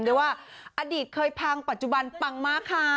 ด้วยว่าอดีตเคยพังปัจจุบันปังมากค่ะ